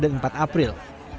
tiga dan empat april